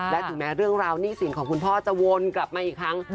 และถึงแม้เรื่องราวหนี้สินของคุณพ่อจะวนกลับมาอีกครั้ง